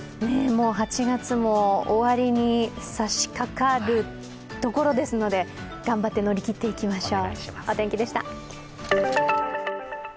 もう８月も終わりに差しかかるところですので頑張って乗り切っていきましょう。